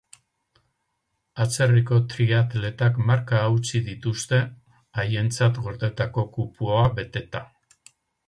Atzerriko triatletek markak hautsi dituzte haientzat gordetako kupoa beteta.